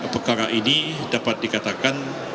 perkara ini dapat dikatakan